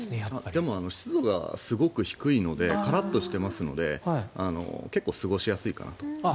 でも湿度がすごく低いのでカラッとしてますので結構過ごしやすいかなと。